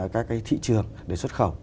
các cái thị trường để xuất khẩu